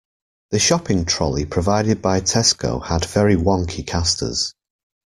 The shopping trolley provided by Tesco had very wonky casters